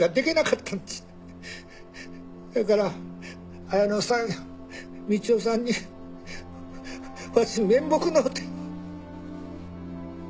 やから綾乃さんや道夫さんにわし面目のうて。